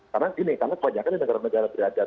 karena ini karena kebanyakan negara negara beragam